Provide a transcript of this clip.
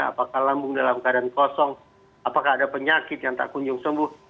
apakah lambung dalam keadaan kosong apakah ada penyakit yang tak kunjung sembuh